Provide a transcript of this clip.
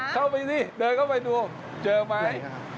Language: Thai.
เข้าไปสิเดินเข้าไปดูเจอไหม